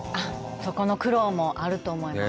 そこの苦労もあると思います。